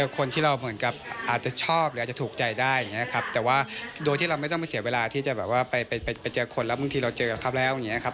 คนนี้ถูกสเปคเราอย่างนี้นะครับ